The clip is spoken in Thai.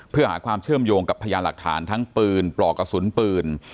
เพื่อหาความเชื่อมโยงกับพยานหลักฐานทั้งปืนปลอกกระสุนปืน